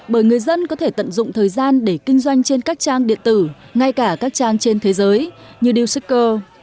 bởi người dân có thể tận dụng thời gian để kinh doanh trên các trang điện tử ngay cả các trang trên thế giới như điều xác cơ